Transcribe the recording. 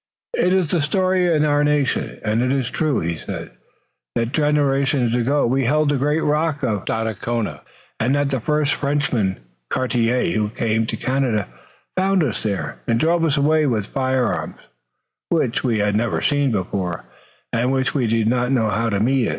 "It is the story in our nation, and it is true," he said, "that generations ago we held the great rock of Stadacona, and that the first Frenchman, Cartier, who came to Canada, found us there, and drove us away with firearms, which we had never seen before, and which we did not know how to meet.